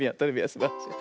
すばらしい。